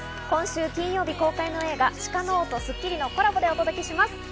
今週金曜日公開の映画『鹿の王』と『スッキリ』のコラボでお届けします。